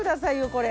これ。